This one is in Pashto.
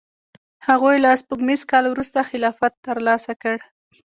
هغوی له سپوږمیز کال وروسته خلافت ترلاسه کړ.